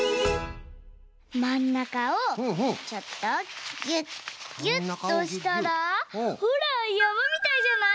まんなかをちょっとぎゅっぎゅっとしたらほらやまみたいじゃない？